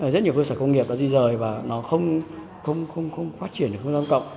rất nhiều cơ sở công nghiệp đã di rời và nó không phát triển được không gian cộng